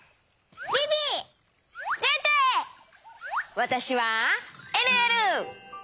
わたしはえるえる！